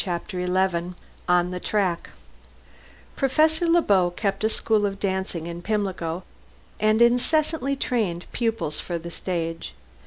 CHAPTER XI ON THE TRACK Professor Le Beau kept a school of dancing in Pimlico, and incessantly trained pupils for the stage.